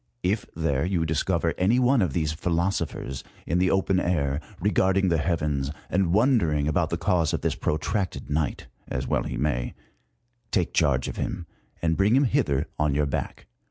If there you discover any one of these philoso phers in the open air, regarding the heavens, and wonder ing about the cause of this protracted night, as well he may, take charge of him, and bring him hither on your back.